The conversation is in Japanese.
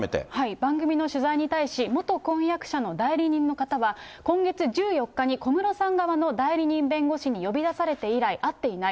番組の取材に対し、元婚約者の代理人の方は、今月１４日に小室さん側の代理人弁護士に呼び出されて以来会っていない。